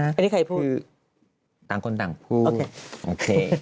อันนี้ใครพูดคือต่างคนต่างผู้โอเค